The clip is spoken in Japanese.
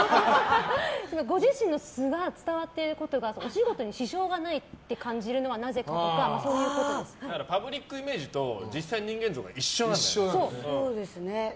ご自身の素が伝わっていることがお仕事に支障がないと感じるのはなぜかとかパブリックイメージと実際の人間像が一緒なんだよね。